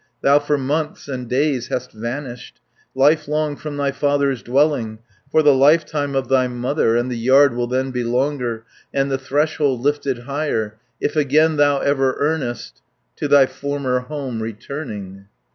Thou for months and days hast vanished, Lifelong from thy father's dwelling, For the lifetime of thy mother, 120 And the yard will then be longer, And the threshold lifted higher, If again thou ever earnest, To thy former home returning."